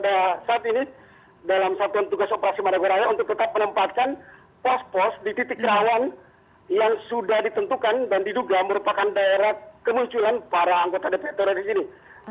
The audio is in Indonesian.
jadi saya berharap bahwa ini adalah hal yang akan dilakukan oleh kapolda saat ini dalam satu tugas operasi madagoraya untuk tetap menempatkan pos pos di titik rawang yang sudah ditentukan dan diduga merupakan daerah kemunculan para anggota depresi tersebut